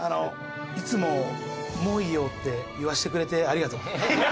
いつも「もういいよ」って言わせてくれてありがとう。